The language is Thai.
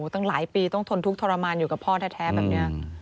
ตั้งหลายปีต้องทนทุกข์ทรมานอยู่กับพ่อแท้แบบนี้